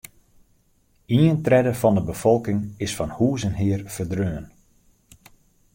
Ien tredde fan de befolking is fan hûs en hear ferdreaun.